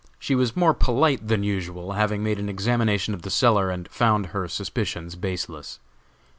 She was more polite than usual, having made an examination of the cellar and found her suspicions baseless.